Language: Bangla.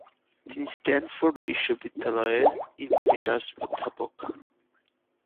তিনি স্ট্যানফোর্ড বিশ্ববিদ্যালয়ের ইমেরিটাস অধ্যাপক।